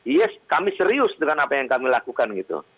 yes kami serius dengan apa yang kami lakukan gitu